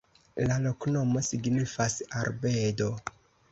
La loknomo signifas: arbedo.